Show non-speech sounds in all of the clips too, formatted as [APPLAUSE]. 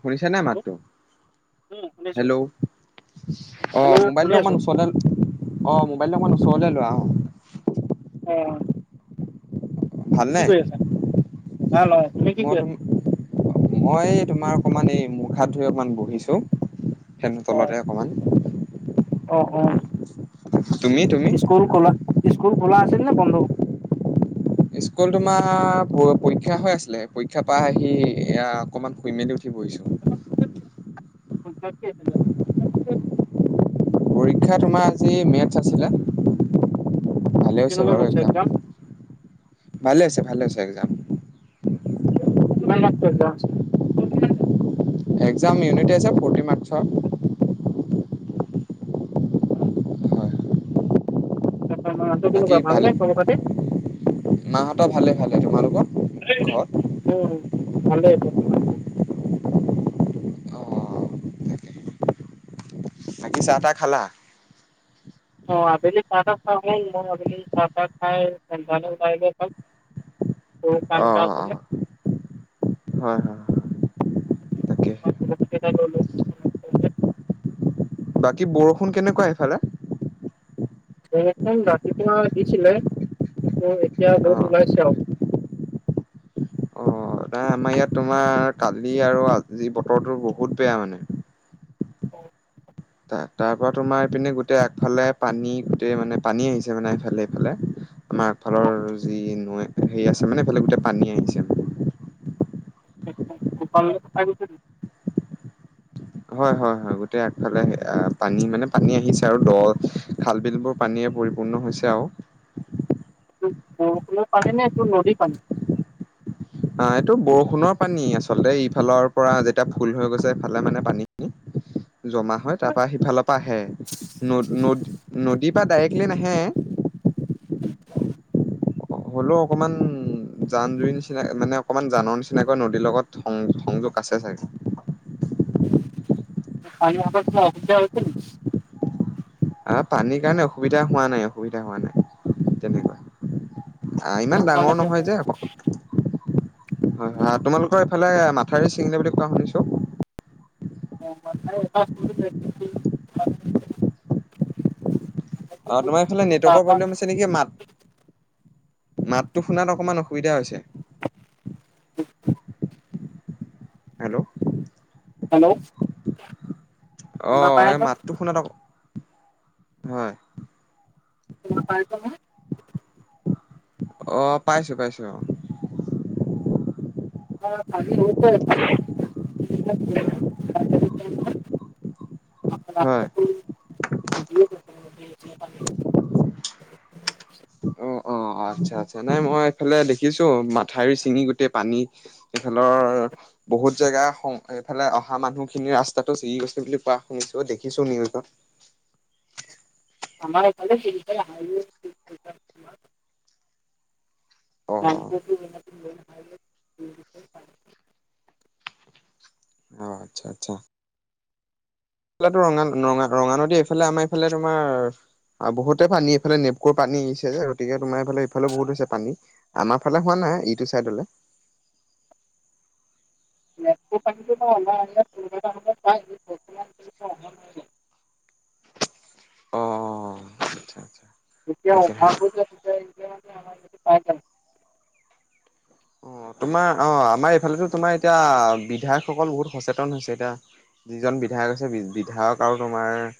শুনিছা নাই হেল্ল' মাতটো? উম শুনিছো হেল্ল' অঁ' হেল্ল' শুনি মোবাইলটো আছো অকমান ওচৰলে অঁ' মোবাইলটো অকমান ওচৰলে লোৱা অঁ'। অঁ। ভালনে, ভাল অ তুমি কি মই কৰি তোম আছা মই তোমাৰ অকণমান এই মুখ হাত ধুই অকণমান বহিছোঁ। ফেনৰ তলতে অকণমান। অঁ অঁ। তুমি তুমি। স্কুল খোলা, স্কুল খোলা আছিল নে বন্ধ? স্কুল তোমাৰ পৰীক্ষা হৈ আছিলে, পৰীক্ষা পা আহি এয়া অকনমান শুই মেলি উঠি বহিছোঁ। পৰীক্ষা তোমাৰ আজি মেথছ আছিলে। ভালেই হৈছে কেনেকুৱা বাৰু গৈছে এক্সাম। একজাম ভালে হৈছে ভালে হৈছে এক্সাম। [UNINTELLIGIBLE] একজাম ইউনিটছে ফৰ্টি ম্কৰ। হয়। তাৰপিছত মানুহটো বাকী কেনেকুৱা ভাল ভালে নে খবৰ খাতি? মাহঁতৰ ভালে ভালে। তোমালোকৰ? ঘৰত? উমঁ' ভালে বৰ্তমান বাৰু। অ' বাকী চাহ-তাহ খালা? অঁ' আবেলি চাহ-তাহ খোৱা হ'ল, মই আবেলি চাহ-তাহ খাই [UNINTELLIGIBLE] সৰু অ অ কাম এটা অ আছিলে। হয় হয় তাকে [UNINTELLIGIBLE] বাকী বৰষুণ কেনেকুৱা সেইফালে? বৰুষুণ ৰাতিপুৱা দিছিলে কিন্তু এতিয়া অ ৰ'দ ওলাইছে আৰু। অ নাই আমাৰ ইয়াত তোমাৰ কালি আৰু আজি বতৰটো বহুত বেয়া মানে। [INAUDIBLE] তা-তাৰপৰা তোমাৰ ইপিনে গোটেই আগফালে পানী গোটেই মানে পানী আহিছে মানে ইফালে সিফালে। আমাৰ অ আগফালৰ যি নৈ হেৰি আছে মানে এইফালে গোটেই পানী আহিছে। [INAUDIBLE] হয় হয় হয়, গোটেই আগফালে পানী মানে পানী আহিছে আৰু দ খাল বিলবোৰ পানীয়ে পৰিপূৰ্ণ হৈছে আৰু। [UNINTELLIGIBLE] বৰষুণৰ পানী নে এইটো নদীৰ পানী? আহ' এইটো বৰষুণৰ পানী। আচলতে ইফালৰ পৰা যেতিয়া ফুল হৈ গৈছে এফালে মানে পানীখিনি [UNINTELLIGIBLE] জমা হয় তাৰ পৰা সিফালৰ পৰা আহে। ন-ন নদীৰ পৰা ডাইৰেক্টলি নাহে। [UNINTELLIGIBLE] হ'লেও অকমান জান জুৰি নিচিনা মানে অকমান জানৰ নিচিনাকৈ নদীৰ লগত সং সংযোগ আছে চাগে [UNINTELLIGIBLE] আহ পানীৰ কাৰণে অসুবিধা হোৱা নাই অসুবিধা হোৱা নাই তেনেকুৱা আহ ইমান ডাঙৰ বৰ্তমানলৈকে একো নহয় যে আকৌ হয় হয় তোমালোকৰ এইফালে মাথাউৰি চিঙিলে বুলি কোৱা শুনিছোঁ। [UNINTELLIGIBLE] অ তোমাৰ ইফালে তাৰ নেটৱৰ্কৰ পৰা প্ৰবলেম তেনেকে মাত মাতটো শুনাত অকমান অসুবিধা হৈছে। [INAUDIBLE] হেল্ল' হেল্ল' অ শুনা পাই এই আছা? মাতটো শুনাত আকৌ হয় [UNINTELLIGIBLE] অ পাইছোঁ পাইছোঁ অ [UNINTELLIGIBLE] হয় ৰাস্তাটো [INAUDIBLE] অ অ আচ্ছা আচ্ছা নাই মই এইফালে দেখিছোঁ মাথাউৰি ছিঙি গোটেই পানী এইফালৰ বহুত জেগা এইফালে অহা মানুহখিনি ৰাস্তাটো চিঙি গৈছে বুলি কোৱা শুনিছোঁ দেখিছোঁ নিউজত আমাৰ এইফালে [UNINTELLIGIBLE] অ', অ', [UNINTELLIGIBLE] অ আচ্ছা আচ্ছা। এইফালেতো ৰঙা ৰঙা ৰঙা নদী এইফালে আমাৰ এইফালে তোমাৰ আৰু বহুতে পানী এইফালে নেপকুৰ পানী আহিছে যে গতিকে তোমাৰ এইফালে ইফালেও বহুত হৈছে পানী। আমাৰ ফালে হোৱা নাই ইটো চাইদলৈ। [UNINTELLIGIBLE] অ অ অ আচ্ছা আচ্ছা। যেতিয়া তাকে অভাৱ হয় যে [UNINTELLIGIBLE] অ তোমাৰ অ আমাৰ এইফালেতো তোমাৰ এতিয়া বিধায়কসকল বহুত সচেতন হৈছে এতিয়া- যিজন বিধায়ক আছে বিধায়ক আৰু তোমাৰ-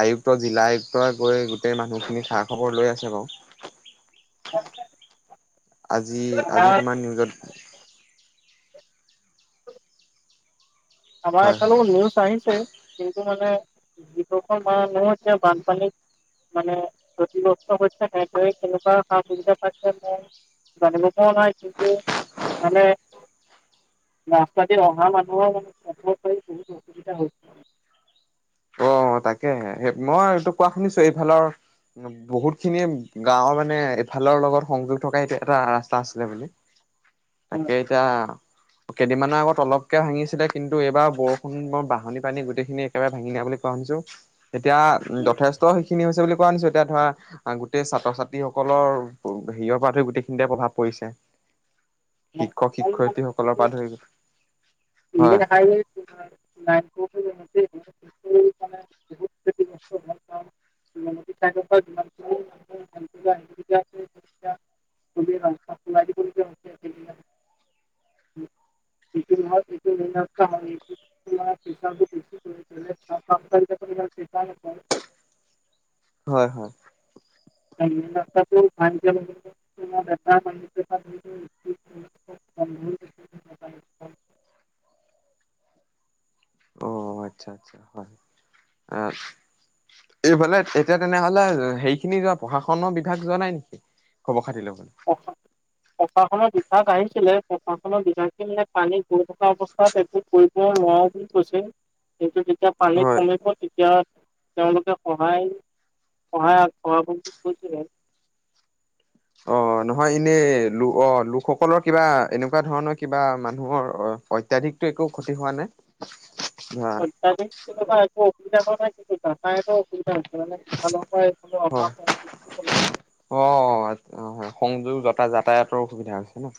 আয়ুক্ত জিলা আয়ুক্তই গৈ গোটেই মানুহখিনি খা খবৰ লৈ আছে বাৰু- [UNINTELLIGIBLE] আজি আজি আমাৰ তোমাৰ নিউজত- আমাৰ হয় হয় এইফালেও নিউজ- আহিছে কিন্তু মানে যিখন মানুহ এতিয়া বানপানীত- মানে ক্ষতিগ্ৰস্ত হৈছে তেনেকুৱা সা সুবিধা পাইছে নে নাই- জানিব পৰা নাই কিন্তু মানে- ৰাস্তা দি অহা মানুহৰ বহুত অসুবিধা হৈছে- অ তাকেসে মই এইটো কোৱা শুনিছোঁ এইফালৰ- বহুত খিনিয়ে গাঁওৰ মানে এফালৰ লগত সংযোগ থকা এইটো এটা ৰাস্তা আছিলে বুলি- [INAUDIBLE] তাকে এতিয়া কেইদিনমানৰ আগত অলপকে ভাঙিছিলে কিন্তু এইবাৰ বৰষুণ বৰ বাহনি পানী গোটেইখিনি একেবাৰে- ভাঙি দিয়া বুলি কোৱা শুনিছো, এতিয়া যথেষ্ট সেইখিনি হৈছে বুলি কোৱানিছো এতিয়া ধৰা গোটেই ছাত্ৰ-ছাত্ৰীসকলৰ হেৰিয়ৰ পৰা ধৰি গোটেইখিনিতে প্ৰভাৱ পৰিছে। [INAUDIBLE] শিক্ষক-শিক্ষয়িত্ৰী সকলৰ হৈছে। পৰা ধৰি গ মেন হয়। [UNINTELLIGIBLE] [UNINTELLIGIBLE] তেতিয়া চবেই ৰাস্তা খোলাই দিবলগীয়া হৈছে। তেতিয়া [UNINTELLIGIBLE] হয়, হয়। [UNINTELLIGIBLE] হাইৱে অ', আচ্ছা আচ্ছা হয়, আ এইফালে তেতিয়া তেনেহ'লে সেই খিনি যোৱা প্ৰশাসনৰ বিভাগ যোৱা নাই নেকি? খবৰা খাটি লবলৈ। [UNINTELLIGIBLE] প্ৰশাসনৰ বিভাগ আহিছিলে, প্ৰশাসনৰ বিভাগে পানী গৈ থকা অৱস্থাত একো কৰিব নোৱাৰো বুলি কৈছে। কিন্তু যেতিয়া পানী হয়। কমিব তেতিয়া তেওঁলোকে সহায় সহায় আগ বঢ়াব বুলি কৈছে। অ', নহয় এনেই লোক অ', লোকসকলৰ কিবা এনেকুৱা ধৰণৰ কিবা মানুহৰ অ' অত্যাধিকটো একো ক্ষতি হোৱা নাই? হয় [UNINTELLIGIBLE] হয় [UNINTELLIGIBLE] অ', সংযোগ যাতা-যাতায়াতৰ অসুবিধা হৈছে ন'?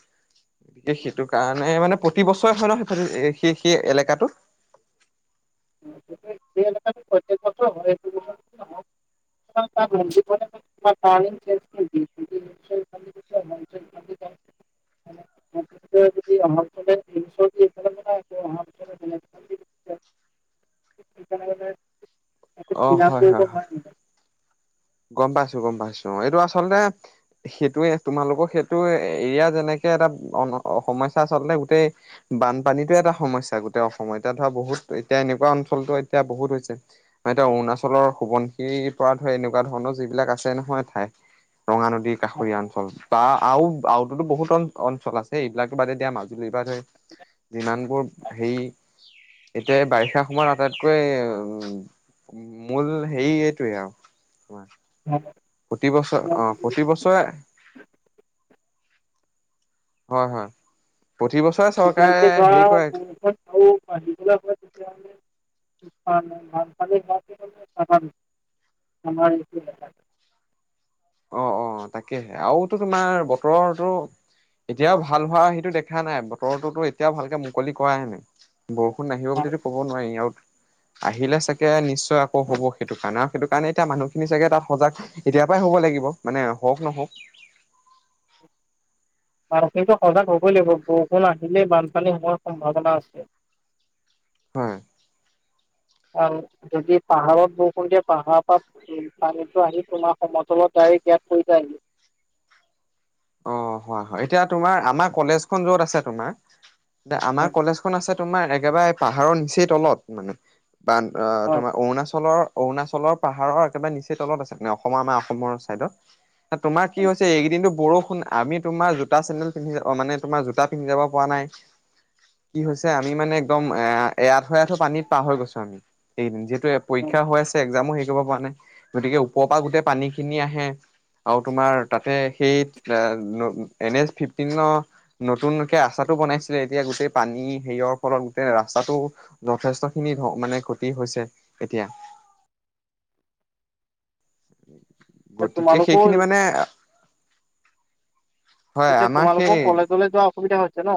এই সেইটো কাৰণে, মানে প্ৰতি বছৰে হয় ন' সেই প্ৰতি সেই সেই এলেকাটো? [UNINTELLIGIBLE] প্ৰত্যেক বছৰ হয় [UNINTELLIGIBLE] [UNINTELLIGIBLE] দিয়ে। [UNINTELLIGIBLE] [UNINTELLIGIBLE] [UNINTELLIGIBLE] এখন দি সেইকাৰণে মানে অ [UNINTELLIGIBLE] হয় কৰিব হয় হয় নোৱাৰিম। গ'ম পাইছোঁ গ'ম পাইছোঁ, এইটো আচলতে সেইটোয়ে তোমালোকৰ সেইটো এৰিয়া যেনেকে এটা সমস্যা আচলতে গোটেই বানপানীটো এটা সমস্যা গোটেই অসমত, এতিয়া ধৰা বহুত এতিয়া এনেকুৱা অঞ্চলটো এতিয়া বহুত হৈছে। মানে এতিয়া অৰুণাচলৰ সোবনশিৰ পৰা ধৰি এনেকুৱা তেনেকুৱা ধৰণৰ যিবিলাক আছে নহয় ঠাই, ৰঙা নদীৰ কাষৰীয়া অঞ্চল। বা আও আওতোতো বহুত অঞ্চল আছে, এইবিলাকতো বাদে দিয়া মাজুলীৰ [UNINTELLIGIBLE] যিমানবোৰ হেৰি এতিয়া বাৰিষা সময়ত আটাইতকৈ উম, মূল হেৰি এইটোৱে আৰু। [UNINTELLIGIBLE] [UNINTELLIGIBLE] প্ৰতি বছৰ অ', প্ৰতি বছৰে হয়, হয়, প্ৰতি বছৰ [UNINTELLIGIBLE] [UNINTELLIGIBLE] অ', অ', তাকেহে আৰুতো তোমাৰ বতৰৰটো এতিয়াও ভাল হোৱা সেইটো দেখা নাই, বতৰতোটো এতিয়াও ভালকে মুকলি কৰায়ে নাই। বৰষুণ নাহিব বুলিতো ক'ব নোৱাৰি, আৰু আহিলে চাগে নিশ্চয় আকৌ হ'ব সেইটো খানা সেইটো কাৰণে এতিয়া মানুহখিনি চাগে তাত সজাগ এতিয় পৰাই হ'ব লাগিব, মানে হওক নহওক। বাৰুসেইটো সজাগ হবই লাগিব, বৰষুণ আহিলে বানপানী হোৱাৰ সম্ভাৱনা আছে। [INAUDIBLE] হয় অহ যদি পাহাৰত বৰষুণ দিয়ে পাহাৰৰ পৰা উম পানীটো আহি তোমাৰ সমতলত ডাইৰেক্ট এইয়াত পৰি যায় হি। অঁ হয় হয়, এতিয়া তোমাৰ আমাৰ কলেজখন যত আছে তোমাৰ এয়া আমাৰ কলেজখন আছে তোমাৰ একেবাৰে পাহাৰৰ নিচেই তলত মানে, বান আঁ হয় তোমাৰ অৰুণাচলৰ অৰুণাচলৰ পাহাৰৰ একেবাৰে নিচেই তলত আছে মানে অসমৰ আমাৰ অসমৰ চাইডত। তোমাৰ কি হৈছে এইকদিনো বৰ ষূণ আমি তোমাৰ জোতা চেন্দডেল পিন্ধি যাব মানে তোমাৰ জোতা পন্ধি যাব পৰা নাই। কি হৈছে আমি মানে একদম একদম এৰাআঠো এৰাআঠো পানীত পাৰ হৈ গৈছো আমি এইকেদিন, যিহ- তু পৰীক্ষা হৈ আছে, এক্সামো হেৰি কৰিব পৰা নাই। গতিকে ওপৰৰ পৰা গোটেই পানীখিনি আহে আৰু তোমাৰ তাতে সেই এ এন এছফিফটিনৰ। নতুনকে ৰাস্তাটো বনাইছিলে এতিয়া গোটেই পানী সেৰিয়ৰ ফলত গোটেই ৰাস্তাটো যথেষ্ট খিনি অঁ মানে ক্ষতি হৈছে এতিয়া। হয়। গতিকে সেইখিনি তোমালোকো মানে হয় এতিয়া আমাৰ তোমালোকৰ সেই কলেজলে যোৱা অসুবিধা হৈছে ন।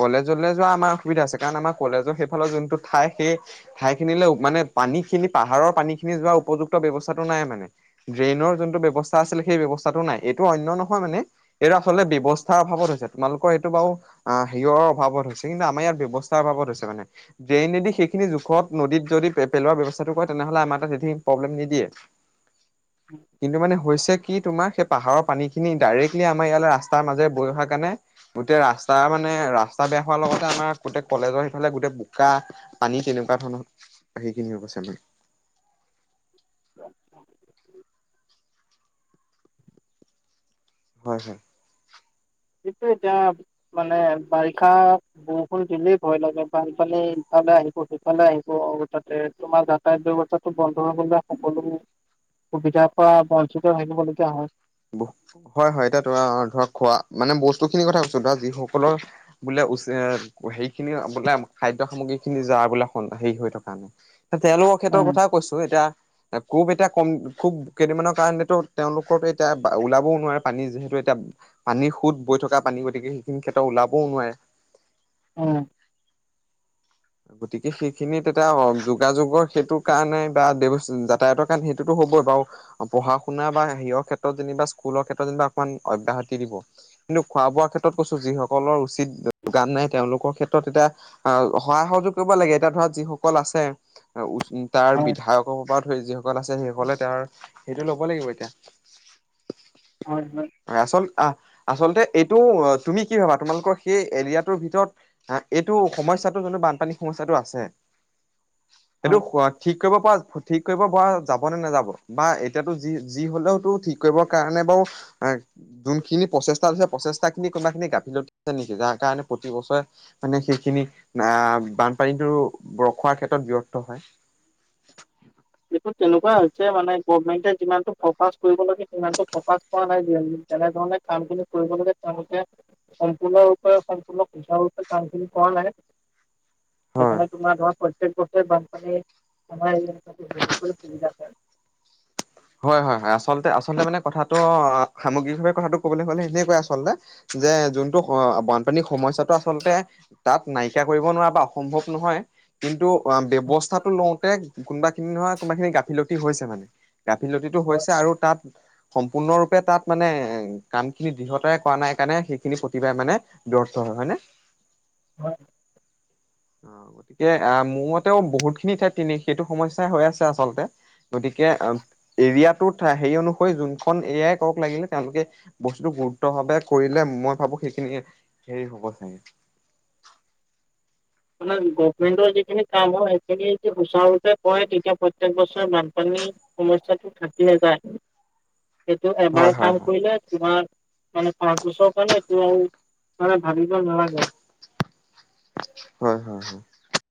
কলেজলৈ যোৱা আমাৰ অসুবিধা আছে, কাৰণ আমাৰ কলেজৰ সেইফালৰ যোনটো ঠাই সেই ঠাই খিনিলে মানে পানী খিনি পাহাৰৰ পানী খিনি যোৱা উপযুক্ত ব্যৱস্থাটো নাই মানে। ড্ৰেইনৰ যোনটো ব্যৱস্থা আছিল সেই ব্যৱস্থাটো নাই এইটো অন্য নহয় মানে। এইটো আচলতে ব্যৱস্থাৰ অভাৱত হৈছে। তোমালোকৰ এইটো বাৰু অঁ হেৰিঅ অভাৱত হৈছে, কিন্তু আমাৰ ইয়াত ব্যৱস্থাৰ অভাৱত হৈছে মানে। ড্ৰেইনদি সেইখিনি জোখত নদীত যদি পে পেলোৱাৰ ব্যৱস্থাটো কৰে তেনেহলে আমাৰ তাত একো প্ৰব্লেম নিদিয়ে। [INAUDIBLE] কিন্তু মানে হৈছে কি তোমাৰ সেই পাহাৰৰ পানী খিনি ডাইৰেক্টলি আমাৰ ইয়াল ৰাস্তাৰ মাজে বৈ অহা কাৰণে গোটেই ৰা স্তাৰ মানে ৰাস্তা বেয়া হোৱাৰ লগতে আমাৰ গোটেই কলেজৰ সিফালে গোটেই বোকা পানী তেনেকুৱা ধৰণৰ সেইখিনিও কৈছে মানে। [INAUDIBLE] হয় হয়। সেইটো এতিয়া মানে বাৰিষা বৰষুণ দিলেই ভয় লাগে, বানপানি ইফালে সিফালে আহিব তাতে তোমাৰ যাতায়ত ব্যৱস্থাটো বন্ধ হবলে সকলো সুবিধাৰ পৰা বঞ্চিত থাকিবলগীয়া হয়। হয় হয়, এতিয়া তোমা ধৰক খোৱা মানে বস্তু খিনিৰ কথা কৈছো ধৰা যিসকলৰ বোলে উচে হেৰিখিনি বোলে খাদ্য সামগ্ৰী খিনি যাৰ বোলে হেৰি হৈ থকা নাই। তেয়ালোকক ক্ষেত্ৰৰ উম, কথা কৈছো, এতিয়া খুব এতিয়া কম খুব কেইদিনমানৰ কাৰণেতো তেওঁলোকৰ এই এতিয়া ওলাবও নোৱাৰে পানী যিহেতু এতিয়া পানীৰ সুত বৈ থকা পানী গতিকে সেইখিনি ক্ষেত্ৰ ওলাবও নোৱাৰে। উম গতিকে সেইখিনিত এতিয়া অ যোগাযোগৰ সেইটো কাৰণে বা ব্যব যাতায়তৰ কাৰণে সেইটো হবই বাৰু। পঢ়া শুনা বা হেৰিয়ৰ ক্ষেত্ৰত যেনিবা স্কুলৰ ক্ষেত্ৰত যে অকমান অব্যহতি দিব। কিন্তু খোৱা বোৱাৰ ক্ষেত্ৰত কৈছো, যিসকলৰ উচিত গান নাই, তেওঁলোকৰ ক্ষেত্ৰত এতিয়া আ, অ' সহায় সহযোগ কৰিব লাগে, এতিয়া ধৰা যিসকল আছে [UNINTELLIGIBLE] তাৰ হয়, বিধায়ক ক'ব পাৰ ধ যিসকল আছে সেইসকলে তেওঁৰ সেইটো ল'ব লাগিব এতিয়া। হয়, হয়। আচল আহ আচলতে এইটো অ', তুমি কি ভাবা তোমালোকৰ সেই এৰিয়াটোৰ ভিতৰত আ, এইটো সমস্যাটো যোনটো বানপানী সমস্যাটো আছে সেইটো হয়। সোৱা ঠিক কৰিব পাৰা, ঠিক কৰিব পৰা যাবনে নাযাব বা এতিয়াতো যি যি হ'লেওতো ঠিক কৰিবৰ কাৰণে বাৰু আ যোনখিনি প্ৰচেষ্টা কৰিছে, প্ৰচেষ্টা খিনি কোনোবখিনি গাফিলতি আছে নেকি যাৰ কাৰণে প্ৰতিবছৰে মানে সেইখিনি আ, বানপানীতো ৰখোৱাৰ ক্ষেত্ৰত ব্যৰ্থ হয়। শত তেনেকুৱা হৈছে মানে, গভমেণ্টে যিমানটো ফকাচ কৰিব লাগে সিমানটো ফকাচ কৰা নাই, [UNINTELLIGIBLE] তেনেধৰণে কাম খিনি কৰিব লাগে তেওঁলোকে সম্পূৰ্ণ ৰূপে, সম্পূৰ্ণ সুচাৰু ৰূপে কাম খিনি কৰা নাই। হয় সেইকাৰণে তোমাৰ ধৰা প্ৰত্যেক বছৰে বানপানী, আমাৰ [UNINTELLIGIBLE] [UNINTELLIGIBLE] হয় হয়, হয়, হয়, আচলতে, আচলতে মানে কথাটো অ', সামগ্ৰিকভাৱে কথাটো ক'বলৈ গ'লে সেনেকুৱাই আচলতে। যে যোনটো স বানপানীৰ সমস্যটো আচলতে তাক নাইকিয়া কৰিব নোৱাৰা বা অসম্ভৱ নহয় কিন্তু অ', ব্যৱস্থাটো লওঁতে, কোনোবা খিনি নহয়, কোনোবা খিনি গাফিলতি হৈছে মানে। গাফিলতিটো হৈছে আৰু তাত সম্পূৰ্ণৰূপে, তাত মানে কামখিনি দৃঢ়তাৰে কৰা নাই কাৰণে সেইখিনি প্ৰতিবাৰে মানে ব্যৰ্থ হয়, হয় নে? হয়। অ', গতিকে আ, মোৰমতেও বহুতখিনি ঠাইত তিনি সেইটো সমস্যাই হৈ আছে, আচলতে। গতিকে অ', এৰিয়াটোত থা হেৰি অনুসৰি, যোনখন এৰিয়াই কওক লাগিলে, তেওঁলোকে বস্তুতটো গুৰুত্ব ভাৱে কৰিলে, মই ভাবো সেইখিনি হেৰি হ'ব চাগে। মানে, গভমেন্টৰ যিখিনি কাম হয়, সেইখিনি যদি সুচাৰুৰূপে কৰে তেতিয়া প্ৰত্যেক বছৰে বানপানী সমস্যাটো থাকি নাযায়, সেইটো এবাৰ হয় হয় কাম হয় কৰিলে তোমাৰ মানে তাৰ পিছৰ কাৰণে এইটো আৰু মানে ভাগিব নালাগে আও হয়, হয়, হয়।